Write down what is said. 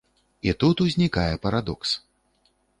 І тут узнікае парадокс.